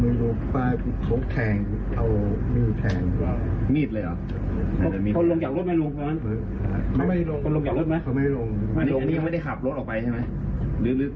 เพราะว่ามันเล่นนี่เลย